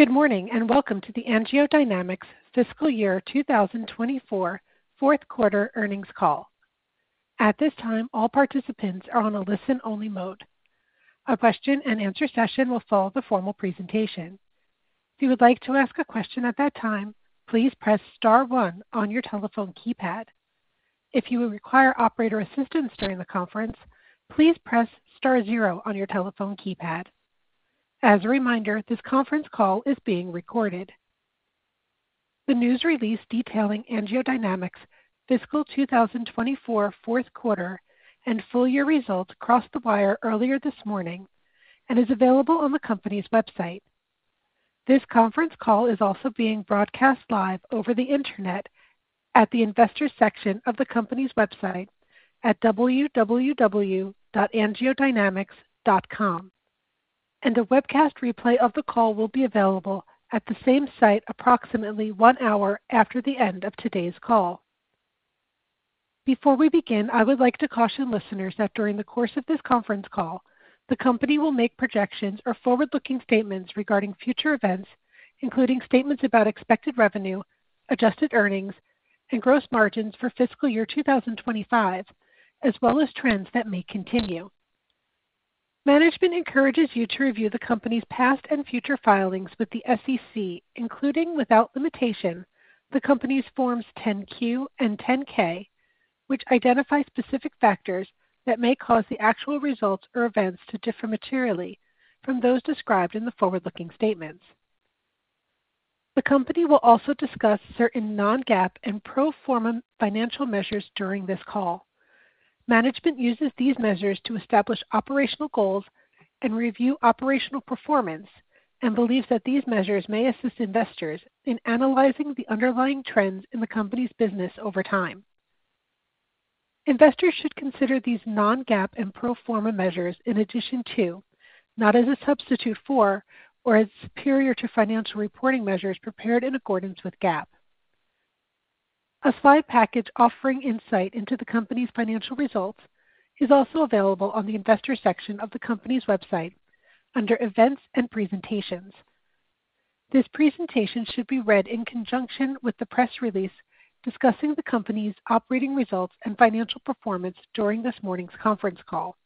Good morning, and welcome to the AngioDynamics Fiscal Year 2024 fourth quarter earnings call. At this time, all participants are on a listen-only mode. A question-and-answer session will follow the formal presentation. If you would like to ask a question at that time, please press star one on your telephone keypad. If you would require operator assistance during the conference, please press star zero on your telephone keypad. As a reminder, this conference call is being recorded. The news release detailing AngioDynamics fiscal 2024 fourth quarter and full-year results crossed the wire earlier this morning and is available on the company's website. This conference call is also being broadcast live over the internet at the investor section of the company's website at www.angiodynamics.com. A webcast replay of the call will be available at the same site approximately one hour after the end of today's call. Before we begin, I would like to caution listeners that during the course of this conference call, the company will make projections or forward-looking statements regarding future events, including statements about expected revenue, adjusted earnings, and gross margins for fiscal year 2025, as well as trends that may continue. Management encourages you to review the company's past and future filings with the SEC, including, without limitation, the company's Forms 10-Q and 10-K, which identify specific factors that may cause the actual results or events to differ materially from those described in the forward-looking statements. The company will also discuss certain non-GAAP and pro forma financial measures during this call. Management uses these measures to establish operational goals and review operational performance and believes that these measures may assist investors in analyzing the underlying trends in the company's business over time. Investors should consider these non-GAAP and pro forma measures in addition to, not as a substitute for or as superior to financial reporting measures prepared in accordance with GAAP. A slide package offering insight into the company's financial results is also available on the investor section of the company's website under Events and Presentations. This presentation should be read in conjunction with the press release discussing the company's operating results and financial performance during this morning's conference call.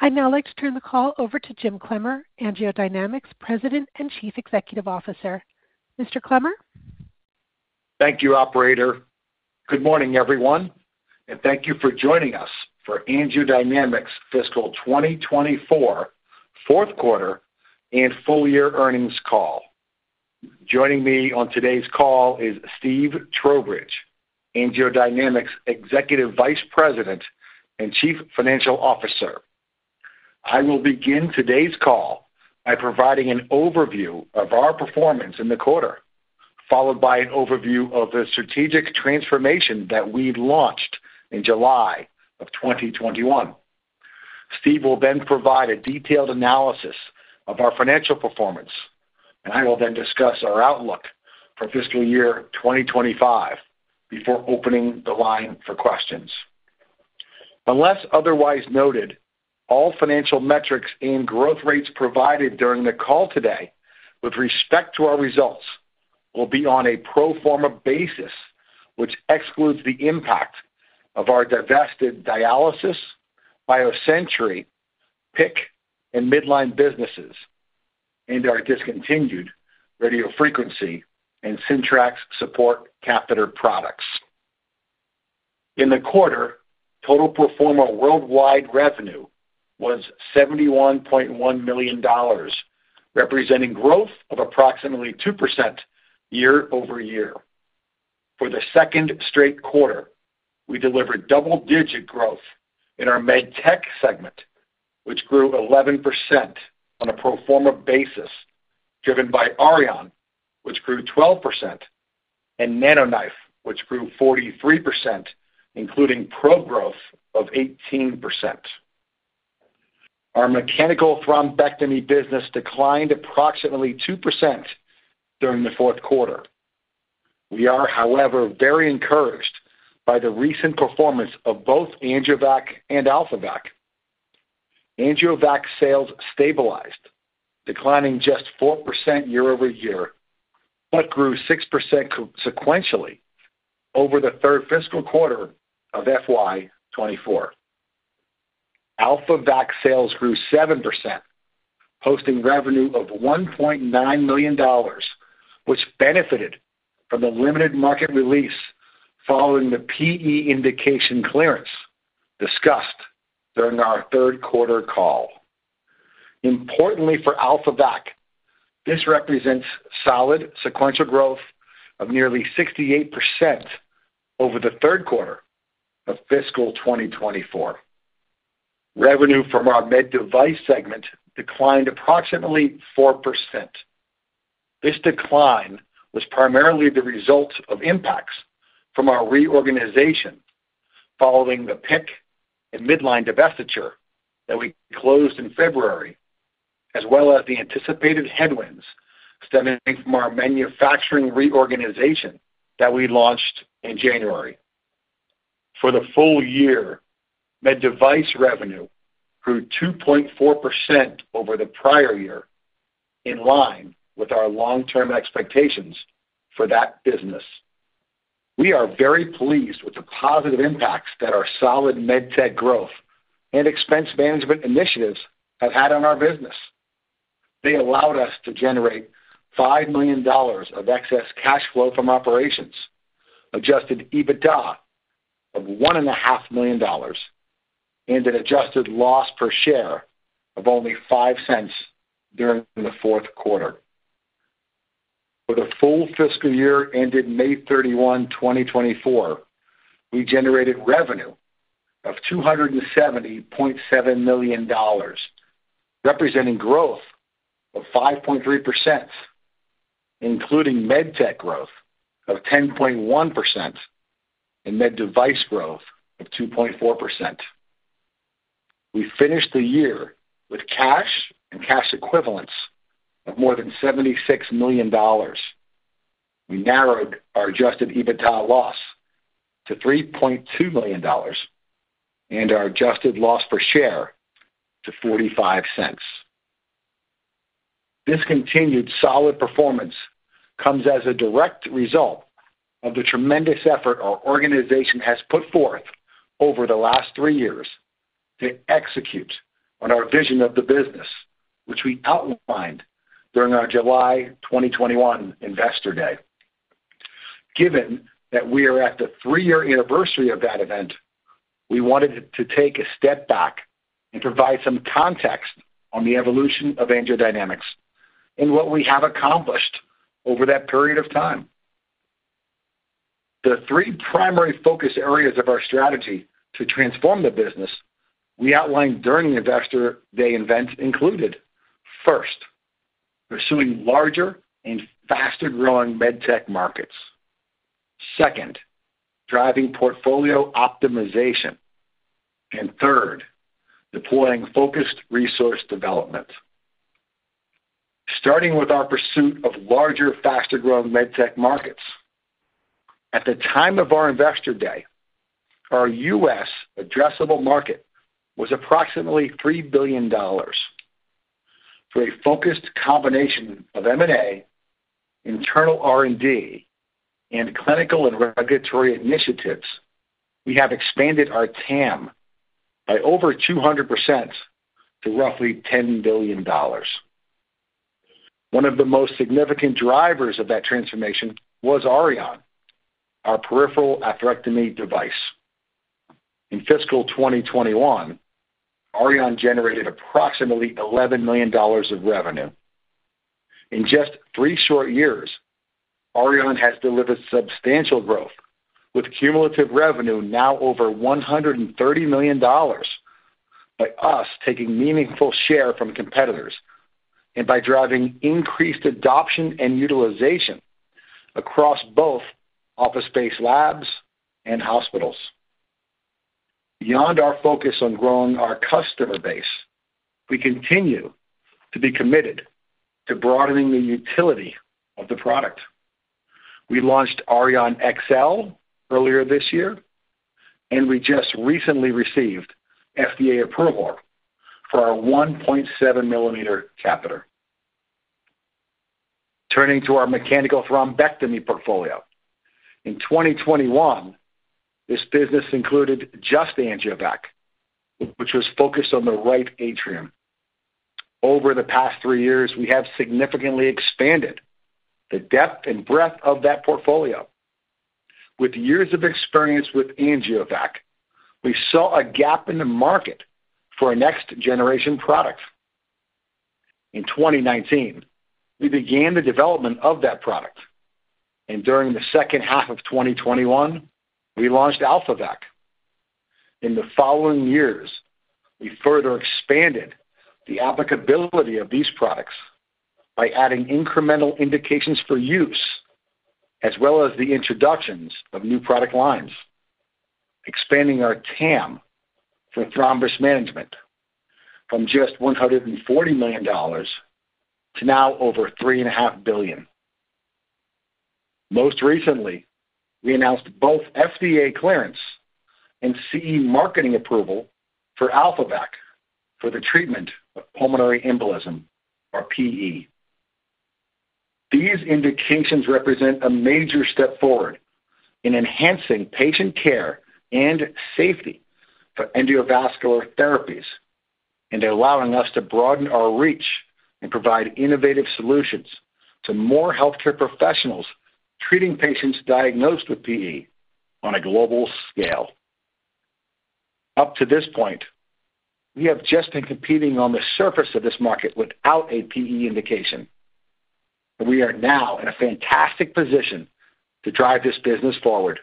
I'd now like to turn the call over to Jim Clemmer, AngioDynamics President and Chief Executive Officer. Mr. Clemmer? Thank you, operator. Good morning, everyone, and thank you for joining us for AngioDynamics' fiscal 2024 fourth quarter and full-year earnings call. Joining me on today's call is Steve Trowbridge, AngioDynamics' Executive Vice President and Chief Financial Officer. I will begin today's call by providing an overview of our performance in the quarter, followed by an overview of the strategic transformation that we launched in July of 2021. Steve will then provide a detailed analysis of our financial performance, and I will then discuss our outlook for fiscal year 2025 before opening the line for questions. Unless otherwise noted, all financial metrics and growth rates provided during the call today with respect to our results will be on a pro forma basis, which excludes the impact of our divested dialysis, BioSentry, PICC and Midline businesses, and our discontinued radiofrequency and Syntrax support catheter products. In the quarter, total pro forma worldwide revenue was $71.1 million, representing growth of approximately 2% year-over-year. For the second straight quarter, we delivered double-digit growth in our Med Tech segment, which grew 11% on a pro forma basis, driven by Auryon, which grew 12%, and NanoKnife, which grew 43%, including pro forma growth of 18%. Our mechanical thrombectomy business declined approximately 2% during the fourth quarter. We are, however, very encouraged by the recent performance of both AngioVac and AlphaVac. AngioVac sales stabilized, declining just 4% year-over-year, but grew 6% sequentially over the third fiscal quarter of FY 2024. AlphaVac sales grew 7%, posting revenue of $1.9 million, which benefited from the limited market release following the PE indication clearance discussed during our third quarter call. Importantly for AlphaVac, this represents solid sequential growth of nearly 68% over the third quarter of fiscal 2024. Revenue from our Med Device segment declined approximately 4%. This decline was primarily the result of impacts from our reorganization following the PICC and Midline divestiture that we closed in February, as well as the anticipated headwinds stemming from our manufacturing reorganization that we launched in January.... For the full year, Med Device revenue grew 2.4% over the prior year, in line with our long-term expectations for that business. We are very pleased with the positive impacts that our solid Med Tech growth and expense management initiatives have had on our business. They allowed us to generate $5 million of excess cash flow from operations, Adjusted EBITDA of $1.5 million, and an adjusted loss per share of only $0.05 during the fourth quarter. For the full fiscal year ended May 31, 2024, we generated revenue of $270.7 million, representing growth of 5.3%, including Med Tech growth of 10.1% and Med Device growth of 2.4%. We finished the year with cash and cash equivalents of more than $76 million. We narrowed our Adjusted EBITDA loss to $3.2 million and our adjusted loss per share to $0.45. This continued solid performance comes as a direct result of the tremendous effort our organization has put forth over the last three years to execute on our vision of the business, which we outlined during our July 2021 Investor Day. Given that we are at the three-year anniversary of that event, we wanted to take a step back and provide some context on the evolution of AngioDynamics and what we have accomplished over that period of time. The three primary focus areas of our strategy to transform the business we outlined during the Investor Day event included, first, pursuing larger and faster-growing med tech markets. Second, driving portfolio optimization. And third, deploying focused resource development. Starting with our pursuit of larger, faster-growing med tech markets. At the time of our Investor Day, our U.S. addressable market was approximately $3 billion. Through a focused combination of M&A, internal R&D, and clinical and regulatory initiatives, we have expanded our TAM by over 200% to roughly $10 billion. One of the most significant drivers of that transformation was Auryon, our peripheral atherectomy device. In fiscal 2021, Auryon generated approximately $11 million of revenue. In just three short years, Auryon has delivered substantial growth, with cumulative revenue now over $130 million, by us taking meaningful share from competitors and by driving increased adoption and utilization across both office-based labs and hospitals. Beyond our focus on growing our customer base, we continue to be committed to broadening the utility of the product. We launched Auryon XL earlier this year, and we just recently received FDA approval for our 1.7 millimeter catheter. Turning to our mechanical thrombectomy portfolio. In 2021, this business included just AngioVac, which was focused on the right atrium. Over the past three years, we have significantly expanded the depth and breadth of that portfolio. With years of experience with AngioVac, we saw a gap in the market for a next-generation product. In 2019, we began the development of that product, and during the second half of 2021, we launched AlphaVac. In the following years, we further expanded the applicability of these products by adding incremental indications for use, as well as the introductions of new product lines, expanding our TAM for thrombus management from just $140 million to now over $3.5 billion. Most recently, we announced both FDA clearance and CE Mark approval for AlphaVac for the treatment of pulmonary embolism, or PE. These indications represent a major step forward in enhancing patient care and safety for endovascular therapies and allowing us to broaden our reach and provide innovative solutions to more healthcare professionals treating patients diagnosed with PE on a global scale. Up to this point, we have just been competing on the surface of this market without a PE indication, and we are now in a fantastic position to drive this business forward.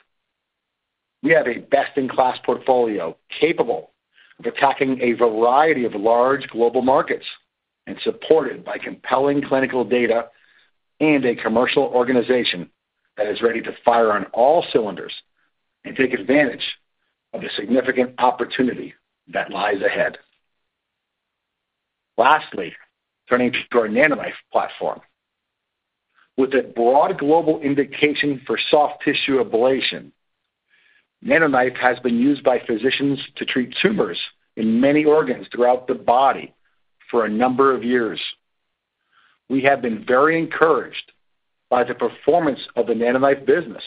We have a best-in-class portfolio capable of attacking a variety of large global markets and supported by compelling clinical data and a commercial organization that is ready to fire on all cylinders and take advantage of the significant opportunity that lies ahead. Lastly, turning to our NanoKnife platform. With a broad global indication for soft tissue ablation, NanoKnife has been used by physicians to treat tumors in many organs throughout the body for a number of years. We have been very encouraged by the performance of the NanoKnife business.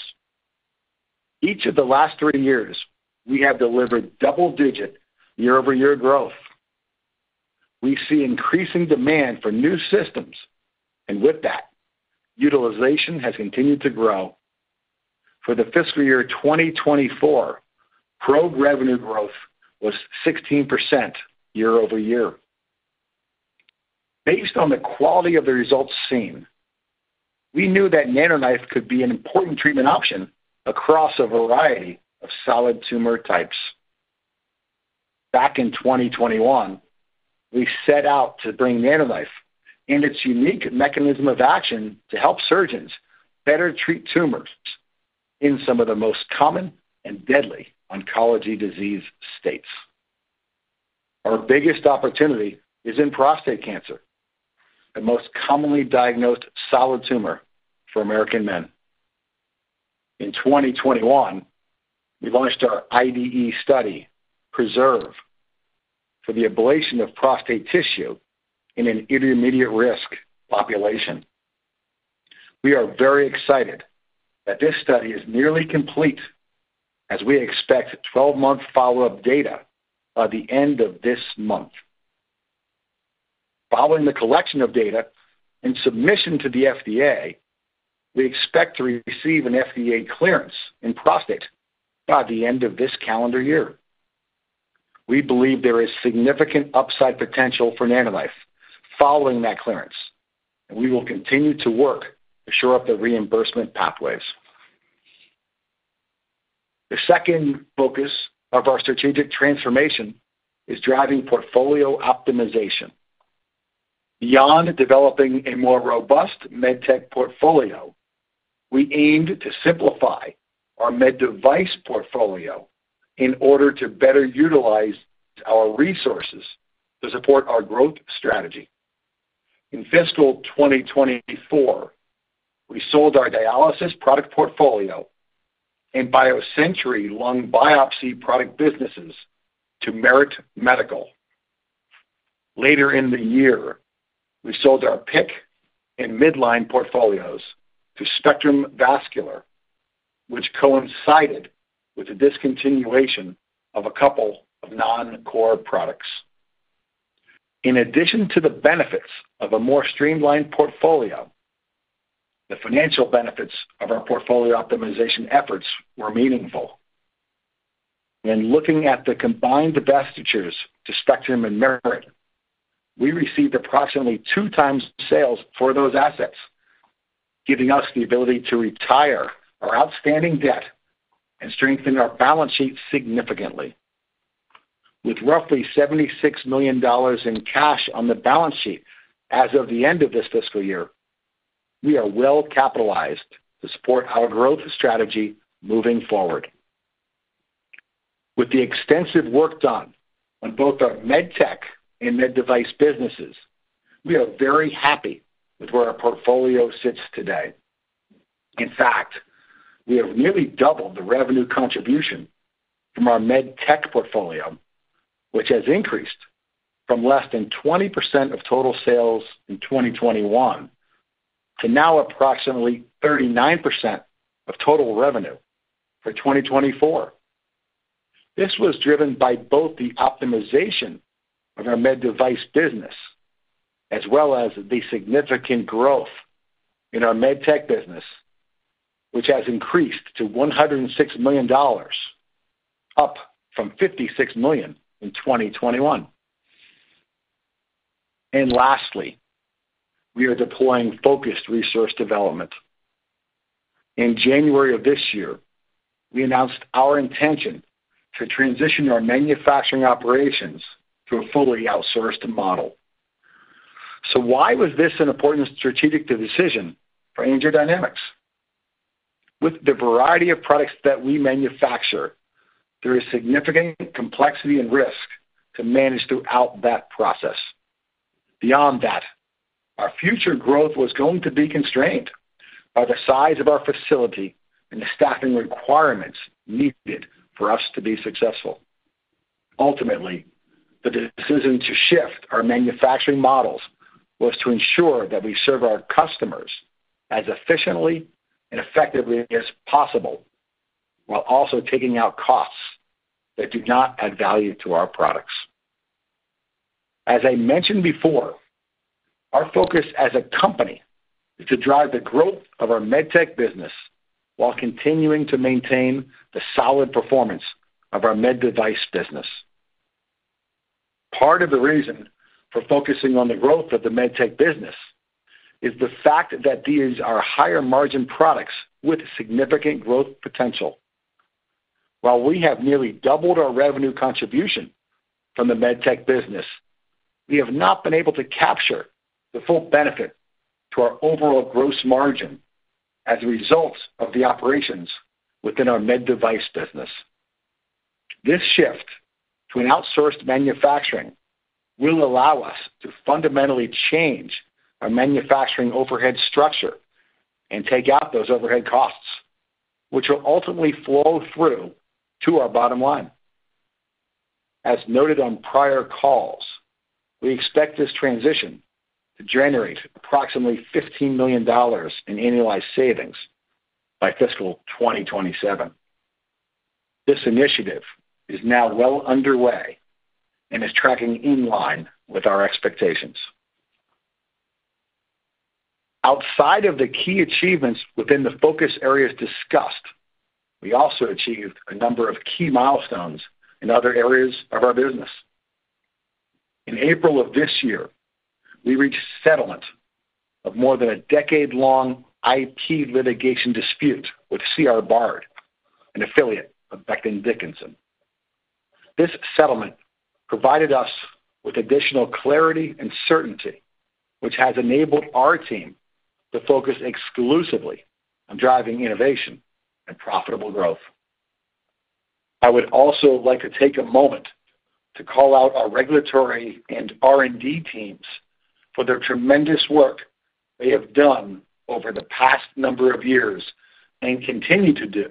Each of the last three years, we have delivered double-digit year-over-year growth. We see increasing demand for new systems, and with that, utilization has continued to grow. For the fiscal year 2024, probe revenue growth was 16% year-over-year. Based on the quality of the results seen, we knew that NanoKnife could be an important treatment option across a variety of solid tumor types. Back in 2021, we set out to bring NanoKnife and its unique mechanism of action to help surgeons better treat tumors in some of the most common and deadly oncology disease states. Our biggest opportunity is in prostate cancer, the most commonly diagnosed solid tumor for American men. In 2021, we launched our IDE study, PRESERVE, for the ablation of prostate tissue in an intermediate risk population. We are very excited that this study is nearly complete as we expect 12-month follow-up data by the end of this month. Following the collection of data and submission to the FDA, we expect to receive an FDA clearance in prostate by the end of this calendar year. We believe there is significant upside potential for NanoKnife following that clearance, and we will continue to work to shore up the reimbursement pathways. The second focus of our strategic transformation is driving portfolio optimization. Beyond developing a more robust Med Tech portfolio, we aimed to simplify our Med Device portfolio in order to better utilize our resources to support our growth strategy. In fiscal 2024, we sold our dialysis product portfolio and BioSentry lung biopsy product businesses to Merit Medical. Later in the year, we sold our PICC and Midline portfolios to Spectrum Vascular, which coincided with the discontinuation of a couple of non-core products. In addition to the benefits of a more streamlined portfolio, the financial benefits of our portfolio optimization efforts were meaningful. When looking at the combined divestitures to Spectrum and Merit, we received approximately 2x sales for those assets, giving us the ability to retire our outstanding debt and strengthen our balance sheet significantly. With roughly $76 million in cash on the balance sheet as of the end of this fiscal year, we are well capitalized to support our growth strategy moving forward. With the extensive work done on both our Med Tech and Med Device businesses, we are very happy with where our portfolio sits today. In fact, we have nearly doubled the revenue contribution from our Med Tech portfolio, which has increased from less than 20% of total sales in 2021 to now approximately 39% of total revenue for 2024. This was driven by both the optimization of our Med Device business as well as the significant growth in our Med Tech business, which has increased to $106 million, up from $56 million in 2021. Lastly, we are deploying focused resource development. In January of this year, we announced our intention to transition our manufacturing operations to a fully outsourced model. So why was this an important strategic decision for AngioDynamics? With the variety of products that we manufacture, there is significant complexity and risk to manage throughout that process. Beyond that, our future growth was going to be constrained by the size of our facility and the staffing requirements needed for us to be successful. Ultimately, the decision to shift our manufacturing models was to ensure that we serve our customers as efficiently and effectively as possible, while also taking out costs that do not add value to our products. As I mentioned before, our focus as a company is to drive the growth of our Med Tech business while continuing to maintain the solid performance of our Med Device business. Part of the reason for focusing on the growth of the Med Tech business is the fact that these are higher margin products with significant growth potential. While we have nearly doubled our revenue contribution from the med tech business, we have not been able to capture the full benefit to our overall gross margin as a result of the operations within our med device business. This shift to an outsourced manufacturing will allow us to fundamentally change our manufacturing overhead structure and take out those overhead costs, which will ultimately flow through to our bottom line. As noted on prior calls, we expect this transition to generate approximately $15 million in annualized savings by fiscal 2027. This initiative is now well underway and is tracking in line with our expectations. Outside of the key achievements within the focus areas discussed, we also achieved a number of key milestones in other areas of our business. In April of this year, we reached settlement of more than a decade-long IP litigation dispute with C. R. Bard, an affiliate of Becton Dickinson. This settlement provided us with additional clarity and certainty, which has enabled our team to focus exclusively on driving innovation and profitable growth. I would also like to take a moment to call out our regulatory and R&D teams for their tremendous work they have done over the past number of years and continue to do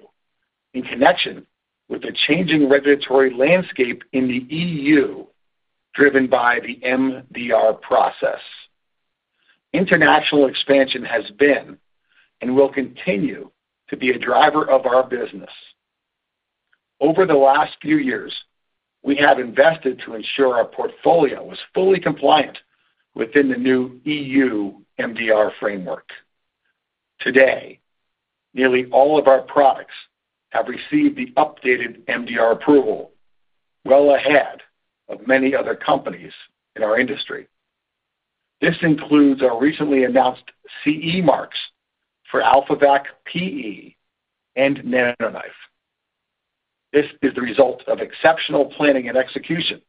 in connection with the changing regulatory landscape in the EU, driven by the MDR process. International expansion has been and will continue to be a driver of our business. Over the last few years, we have invested to ensure our portfolio was fully compliant within the new EU MDR framework. Today, nearly all of our products have received the updated MDR approval, well ahead of many other companies in our industry. This includes our recently announced CE marks for AlphaVac PE and NanoKnife. This is the result of exceptional planning and execution,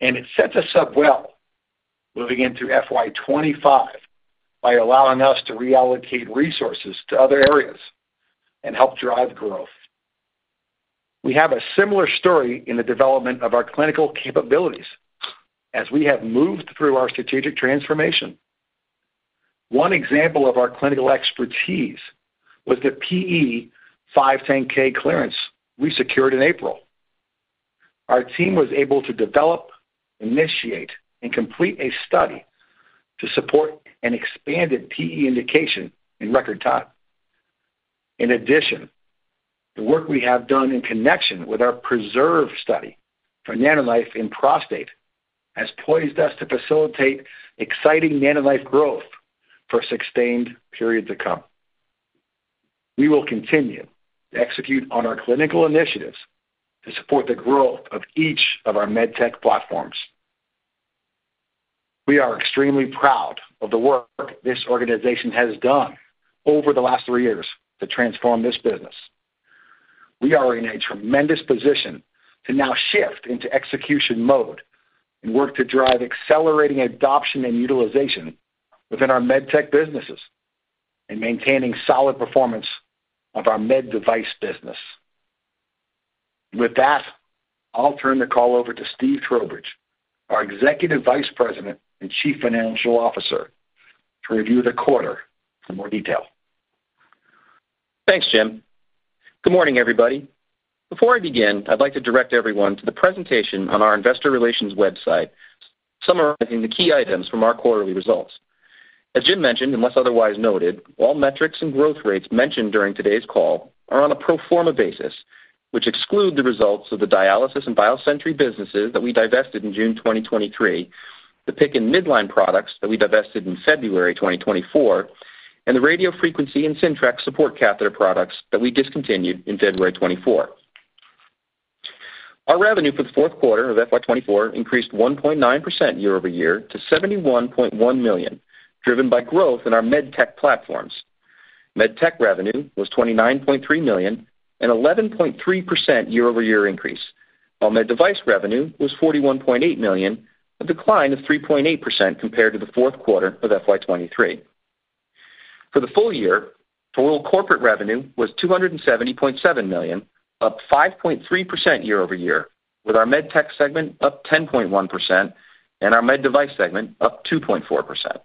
and it sets us up well moving into FY 2025 by allowing us to reallocate resources to other areas and help drive growth. We have a similar story in the development of our clinical capabilities as we have moved through our strategic transformation. One example of our clinical expertise was the PE 510(k) clearance we secured in April. Our team was able to develop, initiate, and complete a study to support an expanded PE indication in record time. In addition, the work we have done in connection with our PRESERVE study for NanoKnife in prostate has poised us to facilitate exciting NanoKnife growth for sustained periods to come. We will continue to execute on our clinical initiatives to support the growth of each of our Med Tech platforms. We are extremely proud of the work this organization has done over the last three years to transform this business. We are in a tremendous position to now shift into execution mode and work to drive accelerating adoption and utilization within our med tech businesses and maintaining solid performance of our med device business. With that, I'll turn the call over to Steve Trowbridge, our Executive Vice President and Chief Financial Officer, to review the quarter in more detail. Thanks, Jim. Good morning, everybody. Before I begin, I'd like to direct everyone to the presentation on our investor relations website, summarizing the key items from our quarterly results. As Jim mentioned, unless otherwise noted, all metrics and growth rates mentioned during today's call are on a pro forma basis, which exclude the results of the dialysis and BioSentry businesses that we divested in June 2023, the PICC and midline products that we divested in February 2024, and the radiofrequency and Syntrax support catheter products that we discontinued in February 2024. Our revenue for the fourth quarter of FY 2024 increased 1.9% year-over-year to $71.1 million, driven by growth in our Med Tech platforms. Med Tech revenue was $29.3 million, an 11.3% year-over-year increase, while Med Device revenue was $41.8 million, a decline of 3.8% compared to the fourth quarter of FY 2023. For the full year, total corporate revenue was $270.7 million, up 5.3% year-over-year, with our Med Tech segment up 10.1% and our Med Device segment up 2.4%.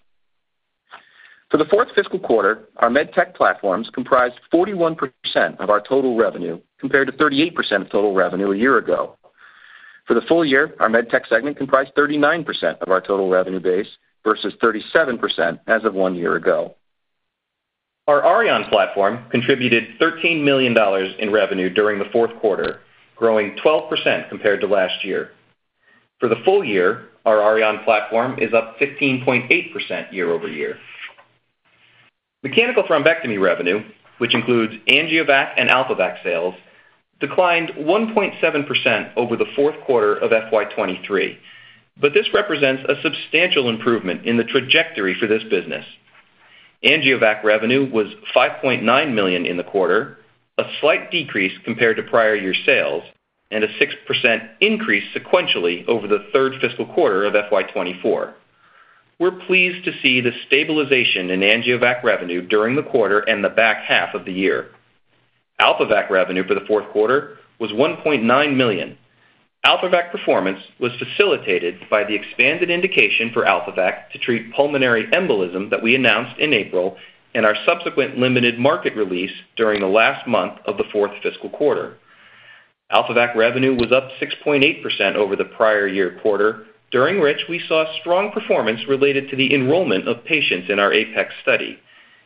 For the fourth fiscal quarter, our Med Tech platforms comprised 41% of our total revenue, compared to 38% of total revenue a year ago. For the full year, our Med Tech segment comprised 39% of our total revenue base, versus 37% as of one year ago. Our Auryon platform contributed $13 million in revenue during the fourth quarter, growing 12% compared to last year. For the full year, our Auryon platform is up 15.8% year-over-year. Mechanical thrombectomy revenue, which includes AngioVac and AlphaVac sales, declined 1.7% over the fourth quarter of FY 2023, but this represents a substantial improvement in the trajectory for this business. AngioVac revenue was $5.9 million in the quarter, a slight decrease compared to prior year sales and a 6% increase sequentially over the third fiscal quarter of FY 2024. We're pleased to see the stabilization in AngioVac revenue during the quarter and the back half of the year. AlphaVac revenue for the fourth quarter was $1.9 million. AlphaVac performance was facilitated by the expanded indication for AlphaVac to treat pulmonary embolism that we announced in April, and our subsequent limited market release during the last month of the fourth fiscal quarter. AlphaVac revenue was up 6.8% over the prior year quarter, during which we saw strong performance related to the enrollment of patients in our APEX study,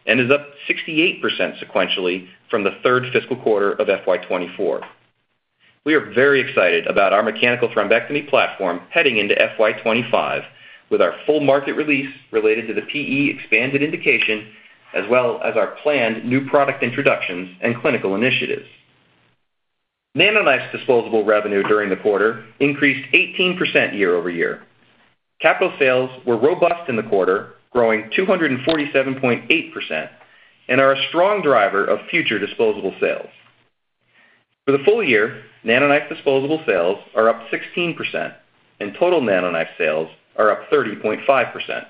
and is up 68% sequentially from the third fiscal quarter of FY 2024. We are very excited about our mechanical thrombectomy platform heading into FY 2025, with our full market release related to the PE expanded indication, as well as our planned new product introductions and clinical initiatives. NanoKnife disposable revenue during the quarter increased 18% year-over-year. Capital sales were robust in the quarter, growing 247.8%, and are a strong driver of future disposable sales. For the full year, NanoKnife disposable sales are up 16%, and total NanoKnife sales are up 30.5%.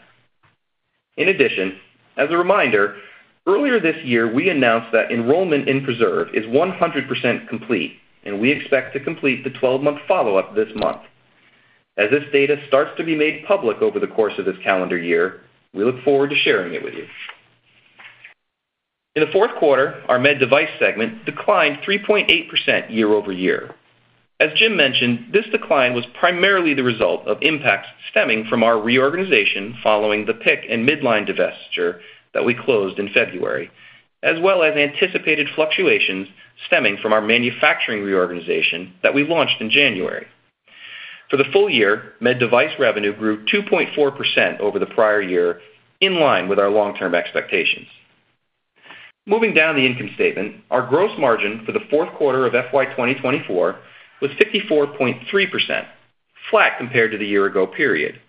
In addition, as a reminder, earlier this year, we announced that enrollment in PRESERVE is 100% complete, and we expect to complete the 12-month follow-up this month. As this data starts to be made public over the course of this calendar year, we look forward to sharing it with you. In the fourth quarter, our Med Device segment declined 3.8% year-over-year. As Jim mentioned, this decline was primarily the result of impacts stemming from our reorganization following the PICC and Midline divestiture that we closed in February, as well as anticipated fluctuations stemming from our manufacturing reorganization that we launched in January. For the full year, Med Device revenue grew 2.4% over the prior year, in line with our long-term expectations. Moving down the income statement, our gross margin for the fourth quarter of FY 2024 was 64.3%, flat compared to the year ago period.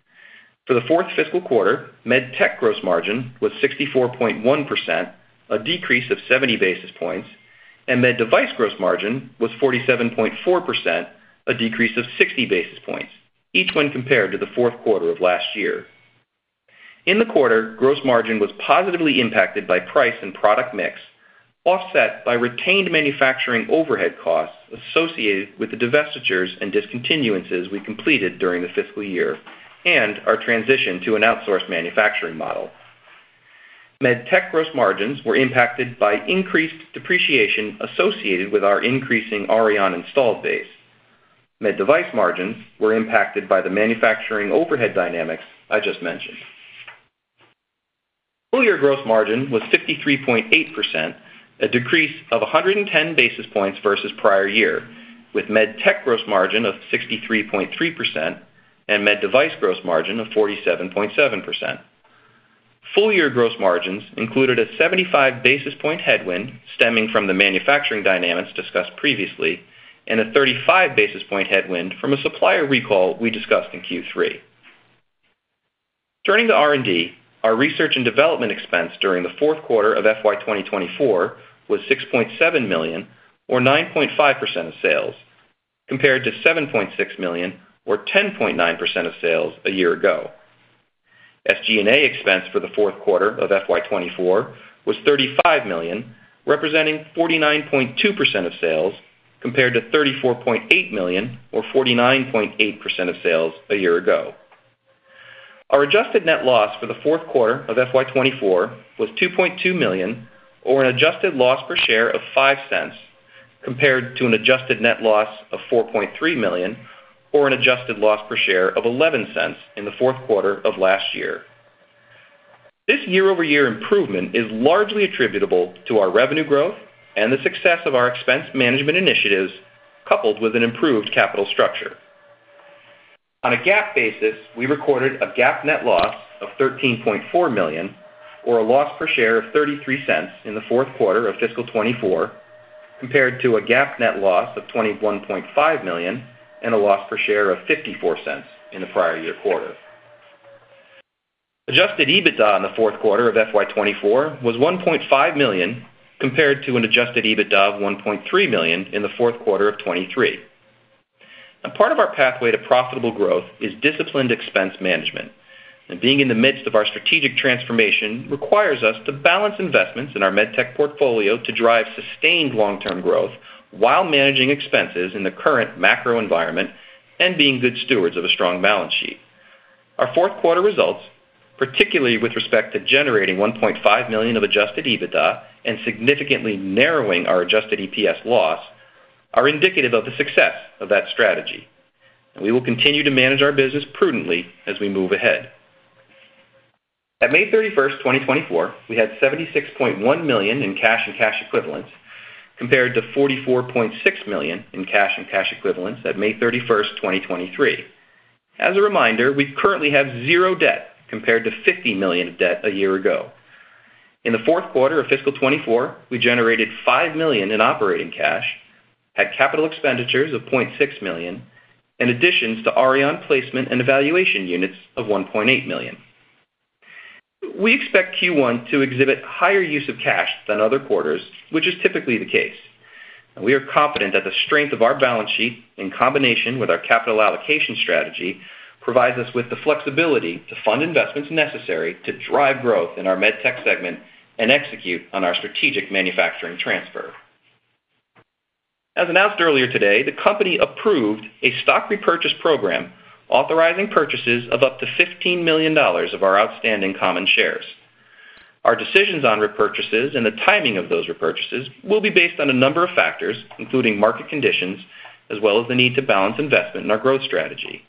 For the fourth fiscal quarter, Med Tech gross margin was 64.1%, a decrease of 70 basis points, and Med Device gross margin was 47.4%, a decrease of 60 basis points, each when compared to the fourth quarter of last year. In the quarter, gross margin was positively impacted by price and product mix, offset by retained manufacturing overhead costs associated with the divestitures and discontinuances we completed during the fiscal year and our transition to an outsourced manufacturing model. Med Tech gross margins were impacted by increased depreciation associated with our increasing Auryon installed base. Med Device margins were impacted by the manufacturing overhead dynamics I just mentioned. Full year gross margin was 63.8%, a decrease of 110 basis points versus prior year, with Med Tech gross margin of 63.3% and Med Device gross margin of 47.7%. Full year gross margins included a 75 basis point headwind stemming from the manufacturing dynamics discussed previously, and a 35 basis point headwind from a supplier recall we discussed in Q3. Turning to R&D, our research and development expense during the fourth quarter of FY 2024 was $6.7 million, or 9.5% of sales, compared to $7.6 million, or 10.9% of sales a year ago. SG&A expense for the fourth quarter of FY 2024 was $35 million, representing 49.2% of sales, compared to $34.8 million, or 49.8% of sales a year ago. Our adjusted net loss for the fourth quarter of FY 2024 was $2.2 million, or an adjusted loss per share of $0.05, compared to an adjusted net loss of $4.3 million, or an adjusted loss per share of $0.11 in the fourth quarter of last year. This year-over-year improvement is largely attributable to our revenue growth and the success of our expense management initiatives, coupled with an improved capital structure. On a GAAP basis, we recorded a GAAP net loss of $13.4 million, or a loss per share of $0.33 in the fourth quarter of fiscal 2024, compared to a GAAP net loss of $21.5 million and a loss per share of $0.54 in the prior year quarter. Adjusted EBITDA in the fourth quarter of FY 2024 was $1.5 million, compared to an adjusted EBITDA of $1.3 million in the fourth quarter of 2023. A part of our pathway to profitable growth is disciplined expense management, and being in the midst of our strategic transformation requires us to balance investments in our MedTech portfolio to drive sustained long-term growth while managing expenses in the current macro environment and being good stewards of a strong balance sheet. Our fourth quarter results, particularly with respect to generating $1.5 million of adjusted EBITDA and significantly narrowing our adjusted EPS loss, are indicative of the success of that strategy. We will continue to manage our business prudently as we move ahead. At May 31, 2024, we had $76.1 million in cash and cash equivalents, compared to $44.6 million in cash and cash equivalents at May 31, 2023. As a reminder, we currently have zero debt compared to $50 million of debt a year ago. In the fourth quarter of fiscal 2024, we generated $5 million in operating cash, had capital expenditures of $0.6 million, and additions to Auryon placement and evaluation units of $1.8 million. We expect Q1 to exhibit higher use of cash than other quarters, which is typically the case. And we are confident that the strength of our balance sheet, in combination with our capital allocation strategy, provides us with the flexibility to fund investments necessary to drive growth in our Med Tech segment and execute on our strategic manufacturing transfer. As announced earlier today, the company approved a stock repurchase program authorizing purchases of up to $15 million of our outstanding common shares. Our decisions on repurchases and the timing of those repurchases will be based on a number of factors, including market conditions, as well as the need to balance investment in our growth strategy.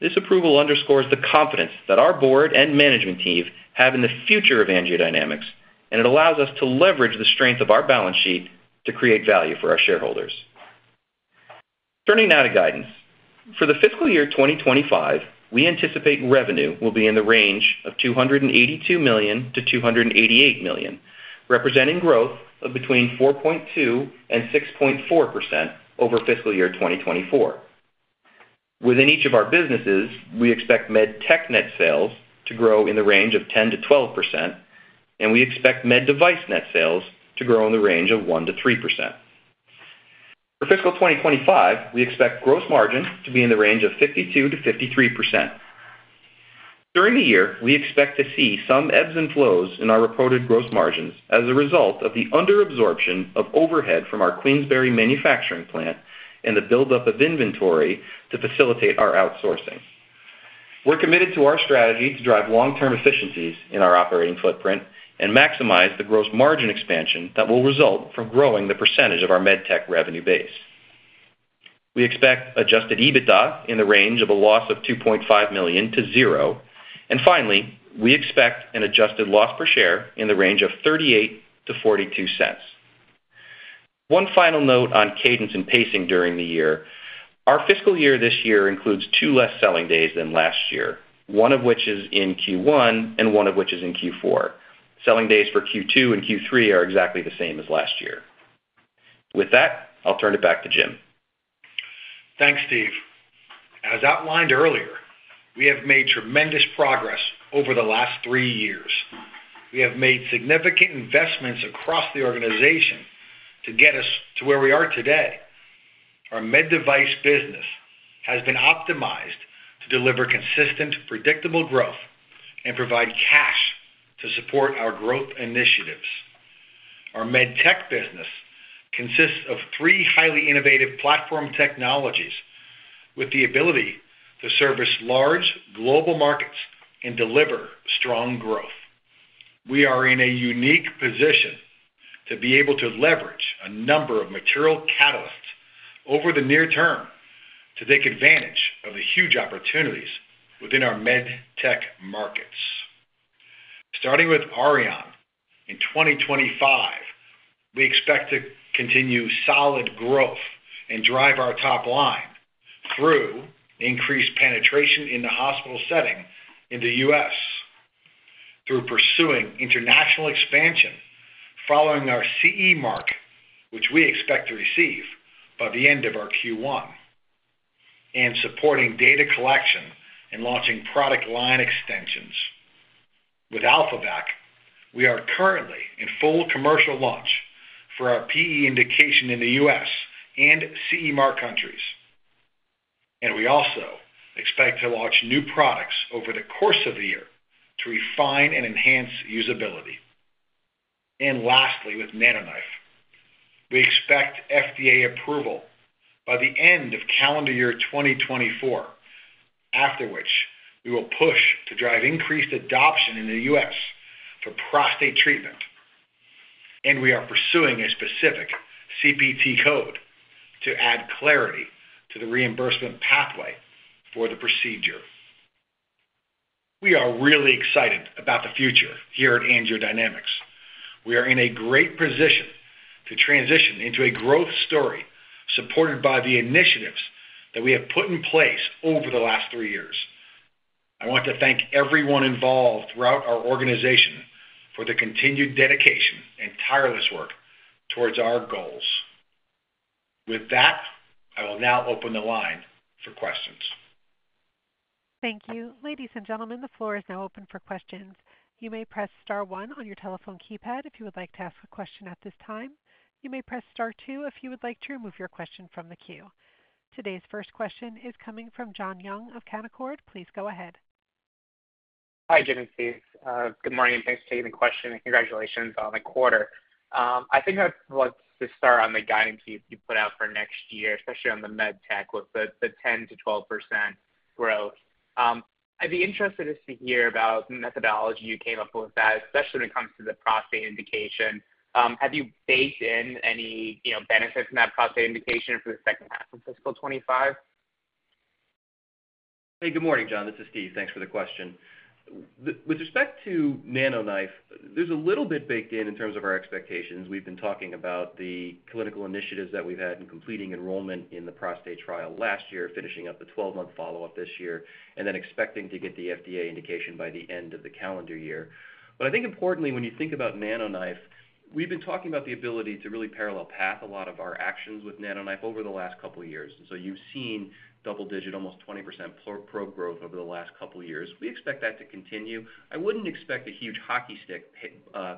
This approval underscores the confidence that our board and management team have in the future of AngioDynamics, and it allows us to leverage the strength of our balance sheet to create value for our shareholders. Turning now to guidance. For the fiscal year 2025, we anticipate revenue will be in the range of $282 million-$288 million, representing growth of between 4.2% and 6.4% over fiscal year 2024. Within each of our businesses, we expect Med Tech net sales to grow in the range of 10%-12%, and we expect Med Device net sales to grow in the range of 1%-3%. For fiscal 2025, we expect gross margin to be in the range of 52%-53%. During the year, we expect to see some ebbs and flows in our reported gross margins as a result of the underabsorption of overhead from our Queensbury manufacturing plant and the buildup of inventory to facilitate our outsourcing. We're committed to our strategy to drive long-term efficiencies in our operating footprint and maximize the gross margin expansion that will result from growing the percentage of our Med Tech revenue base. We expect Adjusted EBITDA in the range of a loss of $2.5 million to $0. And finally, we expect an adjusted loss per share in the range of $0.38-$0.42. One final note on cadence and pacing during the year. Our fiscal year this year includes two less selling days than last year, one of which is in Q1 and one of which is in Q4. Selling days for Q2 and Q3 are exactly the same as last year. With that, I'll turn it back to Jim. Thanks, Steve. As outlined earlier, we have made tremendous progress over the last three years. We have made significant investments across the organization to get us to where we are today. Our Med Device business has been optimized to deliver consistent, predictable growth and provide cash to support our growth initiatives. Our Med Tech business consists of three highly innovative platform technologies with the ability to service large global markets and deliver strong growth. We are in a unique position to be able to leverage a number of material catalysts over the near term to take advantage of the huge opportunities within our Med Tech markets. Starting with Auryon, in 2025, we expect to continue solid growth and drive our top line through increased penetration in the hospital setting in the US, through pursuing international expansion following our CE Mark, which we expect to receive by the end of our Q1, and supporting data collection and launching product line extensions. With AlphaVac, we are currently in full commercial launch for our PE indication in the US and CE Mark countries, and we also expect to launch new products over the course of the year to refine and enhance usability. And lastly, with NanoKnife, we expect FDA approval by the end of calendar year 2024, after which we will push to drive increased adoption in the US for prostate treatment, and we are pursuing a specific CPT Code to add clarity to the reimbursement pathway for the procedure. We are really excited about the future here at AngioDynamics. We are in a great position to transition into a growth story supported by the initiatives that we have put in place over the last three years. I want to thank everyone involved throughout our organization for their continued dedication and tireless work towards our goals. With that, I will now open the line for questions. Thank you. Ladies and gentlemen, the floor is now open for questions. You may press star one on your telephone keypad if you would like to ask a question at this time. You may press star two if you would like to remove your question from the queue. Today's first question is coming from John Young of Canaccord. Please go ahead. Hi, Jim and Steve. Good morning, thanks for taking the question, and congratulations on the quarter. I think I'd like to start on the guidance you, you put out for next year, especially on the Med Tech with the 10%-12% growth. I'd be interested just to hear about the methodology you came up with that, especially when it comes to the prostate indication. Have you baked in any, you know, benefits from that prostate indication for the second half of fiscal 2025? Hey, good morning, John. This is Steve. Thanks for the question. With respect to NanoKnife, there's a little bit baked in in terms of our expectations. We've been talking about the clinical initiatives that we've had in completing enrollment in the prostate trial last year, finishing up the 12-month follow-up this year, and then expecting to get the FDA indication by the end of the calendar year. I think importantly, when you think about NanoKnife, we've been talking about the ability to really parallel path a lot of our actions with NanoKnife over the last couple of years. So you've seen double-digit, almost 20% procedure growth over the last couple of years. We expect that to continue. I wouldn't expect a huge hockey stick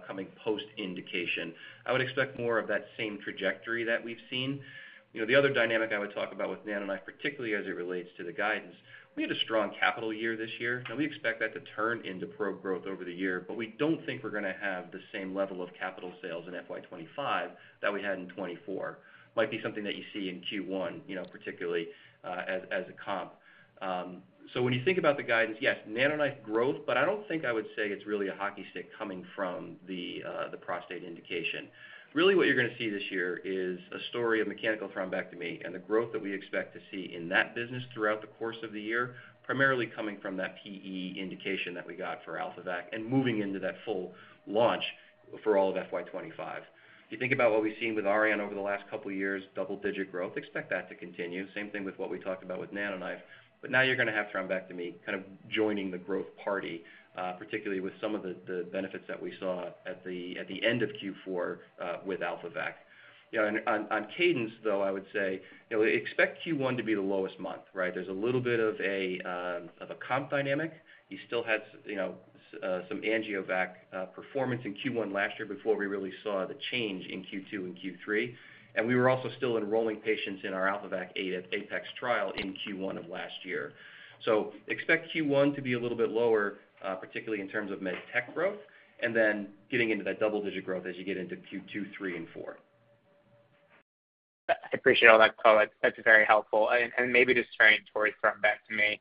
coming post indication. I would expect more of that same trajectory that we've seen. You know, the other dynamic I would talk about with NanoKnife, particularly as it relates to the guidance, we had a strong capital year this year, and we expect that to turn into procedure growth over the year, but we don't think we're going to have the same level of capital sales in FY 2025 that we had in 2024. Might be something that you see in Q1, you know, particularly as a comp. So when you think about the guidance, yes, NanoKnife growth, but I don't think I would say it's really a hockey stick coming from the prostate indication. Really, what you're going to see this year is a story of mechanical thrombectomy and the growth that we expect to see in that business throughout the course of the year, primarily coming from that PE indication that we got for AlphaVac and moving into that full launch for all of FY 2025. You think about what we've seen with Auryon over the last couple of years, double-digit growth, expect that to continue. Same thing with what we talked about with NanoKnife. Now you're going to have thrombectomy kind of joining the growth party, particularly with some of the benefits that we saw at the end of Q4 with AlphaVac. You know, and on cadence, though, I would say, you know, expect Q1 to be the lowest month, right? There's a little bit of a comp dynamic. You still had, you know, some AngioVac performance in Q1 last year before we really saw the change in Q2 and Q3, and we were also still enrolling patients in our AlphaVac Apex trial in Q1 of last year. So expect Q1 to be a little bit lower, particularly in terms of Med Tech growth, and then getting into that double-digit growth as you get into Q2, three, and four. I appreciate all that color. That's, that's very helpful. And, and maybe just turning towards thrombectomy,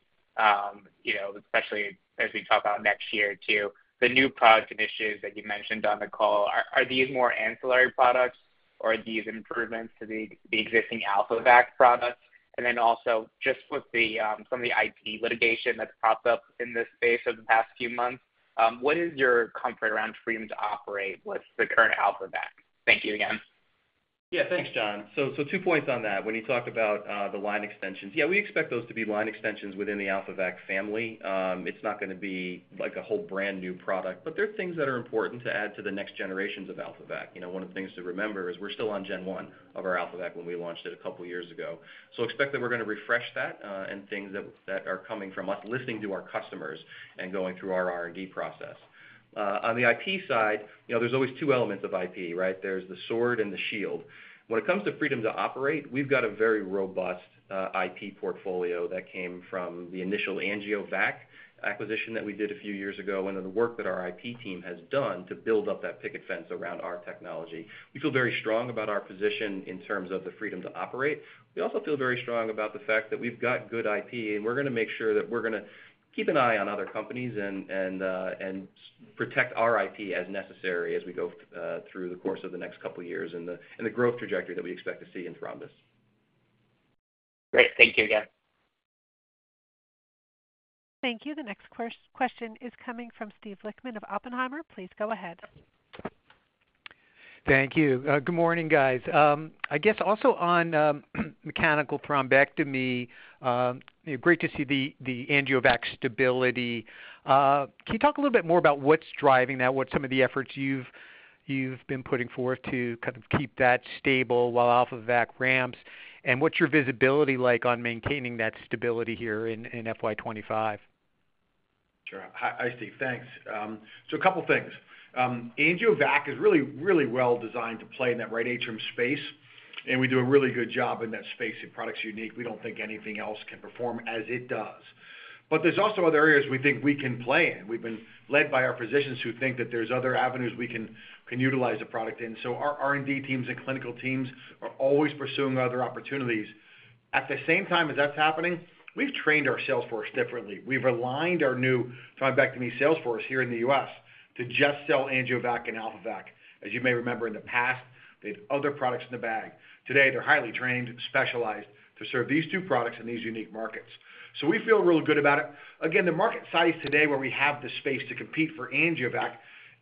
you know, especially as we talk about next year, too. The new product initiatives that you mentioned on the call, are, are these more ancillary products, or are these improvements to the, the existing AlphaVac products? And then also, just with the, some of the IP litigation that's popped up in this space over the past few months, what is your comfort around freedom to operate with the current AlphaVac? Thank you again. Yeah, thanks, John. So, two points on that. When you talk about the line extensions, yeah, we expect those to be line extensions within the AlphaVac family. It's not going to be like a whole brand-new product, but there are things that are important to add to the next generations of AlphaVac. You know, one of the things to remember is we're still on gen one of our AlphaVac when we launched it a couple of years ago. So expect that we're going to refresh that, and things that are coming from us, listening to our customers and going through our R&D process. On the IP side, you know, there's always two elements of IP, right? There's the sword and the shield. When it comes to freedom to operate, we've got a very robust IP portfolio that came from the initial AngioVac acquisition that we did a few years ago, and the work that our IP team has done to build up that picket fence around our technology. We feel very strong about our position in terms of the freedom to operate. We also feel very strong about the fact that we've got good IP, and we're going to make sure that we're going to keep an eye on other companies and protect our IP as necessary as we go through the course of the next couple of years and the growth trajectory that we expect to see in thrombus. Great. Thank you again. Thank you. The next question is coming from Steve Lichtman of Oppenheimer. Please go ahead. Thank you. Good morning, guys. I guess also on mechanical thrombectomy, great to see the AngioVac stability. Can you talk a little bit more about what's driving that? What some of the efforts you've been putting forth to kind of keep that stable while AlphaVac ramps, and what's your visibility like on maintaining that stability here in FY 2025? Sure. Hi, Steve. Thanks. So a couple of things. AngioVac is really, really well designed to play in that right atrium space, and we do a really good job in that space. The product's unique. We don't think anything else can perform as it does. But there's also other areas we think we can play in. We've been led by our physicians who think that there's other avenues we can, we can utilize the product in. So our R&D teams and clinical teams are always pursuing other opportunities. At the same time as that's happening, we've trained our sales force differently. We've aligned our new thrombectomy sales force here in the U.S. to just sell AngioVac and AlphaVac. As you may remember in the past, they had other products in the bag. Today, they're highly trained and specialized to serve these two products in these unique markets. We feel really good about it. Again, the market size today, where we have the space to compete for AngioVac,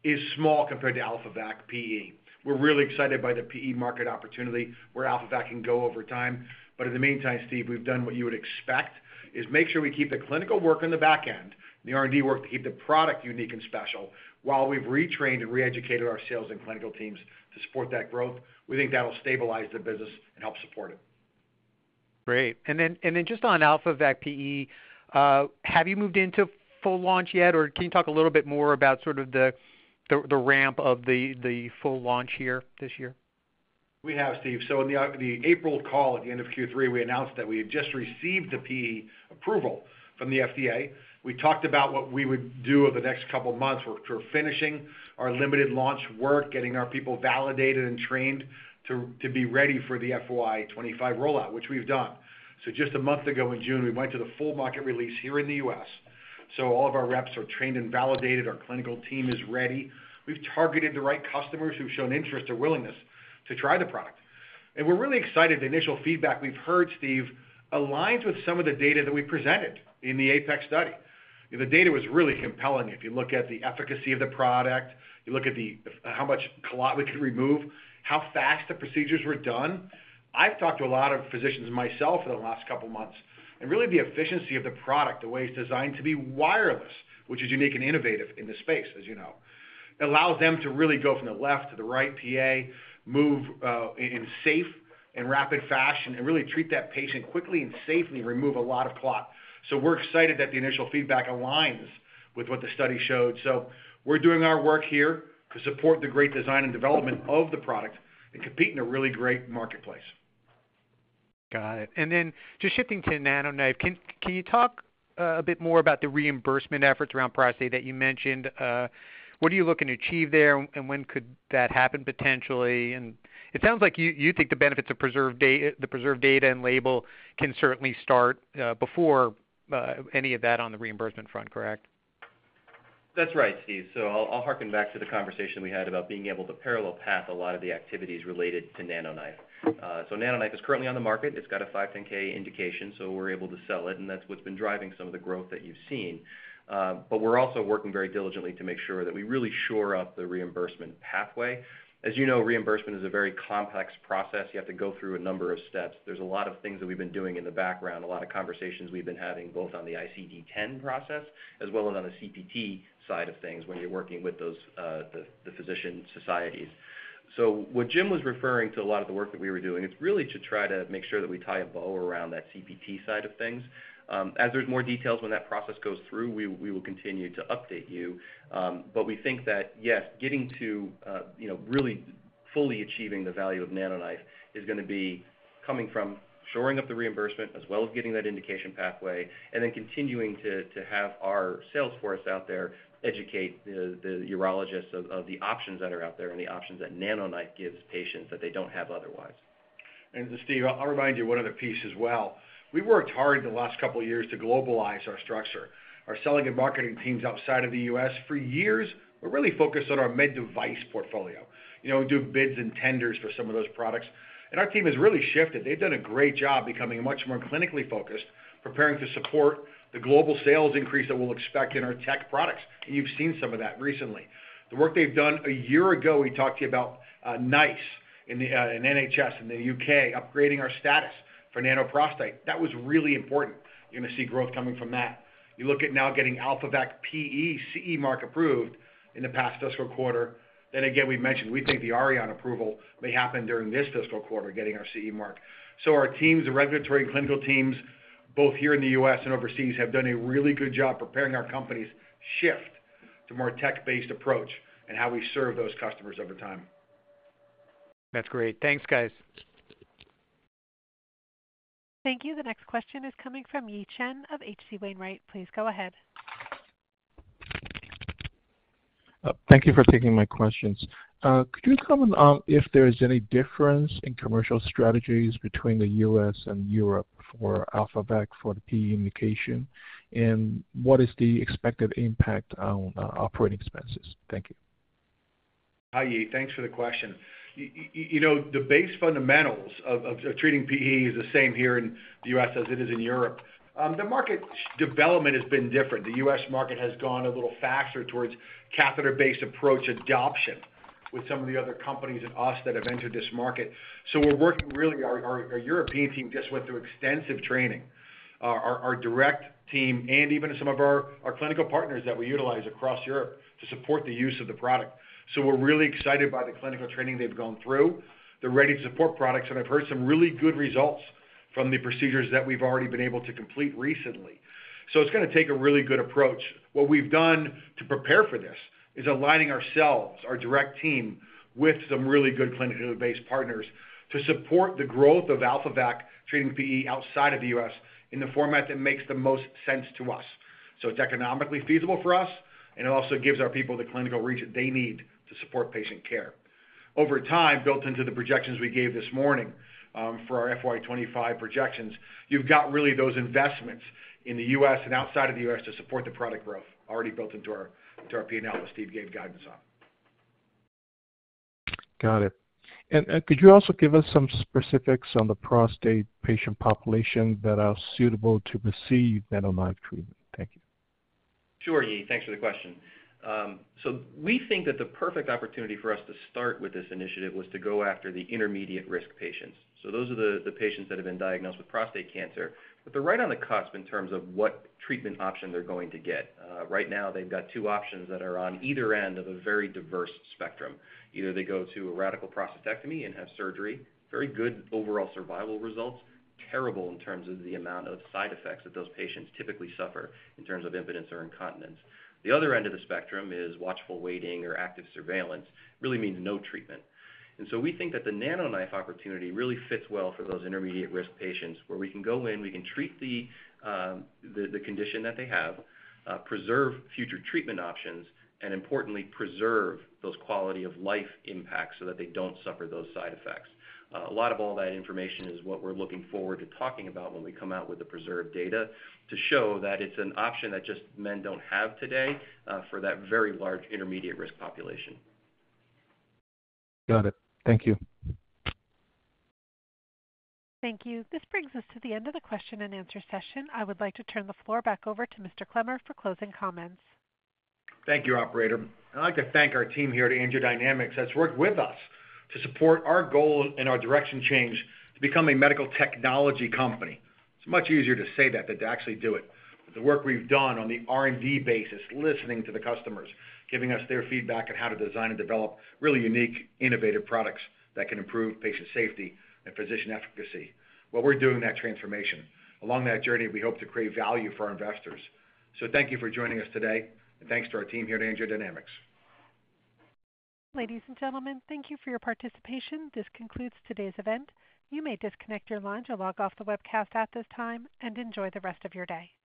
is small compared to AlphaVac PE. We're really excited by the PE market opportunity, where AlphaVac can go over time. But in the meantime, Steve, we've done what you would expect, is make sure we keep the clinical work on the back end, the R&D work to keep the product unique and special, while we've retrained and reeducated our sales and clinical teams to support that growth. We think that'll stabilize the business and help support it. Great. And then just on AlphaVac PE, have you moved into full launch yet, or can you talk a little bit more about sort of the ramp of the full launch here this year? We have, Steve. So in the April call, at the end of Q3, we announced that we had just received the PE approval from the FDA. We talked about what we would do over the next couple of months. We're finishing our limited launch work, getting our people validated and trained to be ready for the FY 2025 rollout, which we've done. So just a month ago, in June, we went to the full market release here in the U.S., so all of our reps are trained and validated. Our clinical team is ready. We've targeted the right customers who've shown interest or willingness to try the product. And we're really excited. The initial feedback we've heard, Steve, aligns with some of the data that we presented in the Apex study. The data was really compelling. If you look at the efficacy of the product, you look at how much clot we can remove, how fast the procedures were done. I've talked to a lot of physicians myself in the last couple of months, and really, the efficiency of the product, the way it's designed to be wireless, which is unique and innovative in this space, as you know, allows them to really go from the left to the right PA, move, in safe, in rapid fashion and really treat that patient quickly and safely, remove a lot of clot. So we're excited that the initial feedback aligns with what the study showed. So we're doing our work here to support the great design and development of the product and compete in a really great marketplace. Got it. And then just shifting to NanoKnife, can you talk a bit more about the reimbursement efforts around prostate that you mentioned? What are you looking to achieve there, and when could that happen, potentially? And it sounds like you think the benefits of the PRESERVE data and label can certainly start before any of that on the reimbursement front, correct? That's right, Steve. So I'll, I'll harken back to the conversation we had about being able to parallel path a lot of the activities related to NanoKnife. So NanoKnife is currently on the market. It's got a 510(k) indication, so we're able to sell it, and that's what's been driving some of the growth that you've seen. But we're also working very diligently to make sure that we really shore up the reimbursement pathway. As you know, reimbursement is a very complex process. You have to go through a number of steps. There's a lot of things that we've been doing in the background, a lot of conversations we've been having, both on the ICD-10 process as well as on the CPT side of things, when you're working with those, the physician societies. So what Jim was referring to a lot of the work that we were doing, it's really to try to make sure that we tie a bow around that CPT side of things. As there's more details when that process goes through, we will continue to update you. But we think that, yes, getting to, you know, really fully achieving the value of NanoKnife is gonna be coming from shoring up the reimbursement as well as getting that indication pathway, and then continuing to have our sales force out there educate the urologists of the options that are out there and the options that NanoKnife gives patients that they don't have otherwise. Steve, I'll remind you one other piece as well. We worked hard in the last couple of years to globalize our structure. Our selling and marketing teams outside of the U.S., for years, we're really focused on our med device portfolio. You know, we do bids and tenders for some of those products, and our team has really shifted. They've done a great job becoming much more clinically focused, preparing to support the global sales increase that we'll expect in our tech products, and you've seen some of that recently. The work they've done. A year ago, we talked to you about NICE in the in NHS, in the United Kingdom, upgrading our status for Nano prostate. That was really important. You're gonna see growth coming from that. You look at now getting AlphaVac PE, CE Mark approved in the past fiscal quarter. Then again, we've mentioned, we think the Auryon approval may happen during this fiscal quarter, getting our CE Mark. So our teams, the regulatory and clinical teams, both here in the U.S. and overseas, have done a really good job preparing our company's shift to more tech-based approach and how we serve those customers over time. That's great. Thanks, guys. Thank you. The next question is coming from Yi Chen of H.C. Wainwright. Please go ahead. Thank you for taking my questions. Could you comment on if there is any difference in commercial strategies between the U.S. and Europe for AlphaVac, for the PE indication? What is the expected impact on operating expenses? Thank you. Hi, Yi. Thanks for the question. You know, the base fundamentals of treating PE is the same here in the U.S. as it is in Europe. The market development has been different. The U.S. market has gone a little faster towards catheter-based approach adoption with some of the other companies and us that have entered this market. So we're working really. Our European team just went through extensive training. Our direct team and even some of our clinical partners that we utilize across Europe to support the use of the product. So we're really excited by the clinical training they've gone through. They're ready to support products, and I've heard some really good results from the procedures that we've already been able to complete recently. So it's gonna take a really good approach. What we've done to prepare for this is aligning ourselves, our direct team, with some really good clinical-based partners to support the growth of AlphaVac, treating PE outside of the U.S. in a format that makes the most sense to us. So it's economically feasible for us, and it also gives our people the clinical reach that they need to support patient care. Over time, built into the projections we gave this morning, for our FY 2025 projections, you've got really those investments in the U.S. and outside of the U.S. to support the product growth already built into our, into our P&L that Steve gave guidance on. Got it. And, could you also give us some specifics on the prostate patient population that are suitable to receive NanoKnife treatment? Thank you. Sure, Yi. Thanks for the question. So we think that the perfect opportunity for us to start with this initiative was to go after the intermediate risk patients. So those are the patients that have been diagnosed with prostate cancer, but they're right on the cusp in terms of what treatment option they're going to get. Right now, they've got two options that are on either end of a very diverse spectrum. Either they go to a radical prostatectomy and have surgery, very good overall survival results, terrible in terms of the amount of side effects that those patients typically suffer in terms of impotence or incontinence. The other end of the spectrum is watchful waiting or active surveillance. Really means no treatment. We think that the NanoKnife opportunity really fits well for those intermediate risk patients, where we can go in, we can treat the condition that they have, preserve future treatment options, and importantly, preserve those quality of life impacts so that they don't suffer those side effects. A lot of all that information is what we're looking forward to talking about when we come out with the PRESERVE data, to show that it's an option that just men don't have today, for that very large intermediate risk population. Got it. Thank you. Thank you. This brings us to the end of the question and answer session. I would like to turn the floor back over to Mr. Clemmer for closing comments. Thank you, operator. I'd like to thank our team here at AngioDynamics that's worked with us to support our goal and our direction change to become a medical technology company. It's much easier to say that than to actually do it. But the work we've done on the R&D basis, listening to the customers, giving us their feedback on how to design and develop really unique, innovative products that can improve patient safety and physician efficacy. Well, we're doing that transformation. Along that journey, we hope to create value for our investors. So thank you for joining us today, and thanks to our team here at AngioDynamics. Ladies and gentlemen, thank you for your participation. This concludes today's event. You may disconnect your lines or log off the webcast at this time, and enjoy the rest of your day.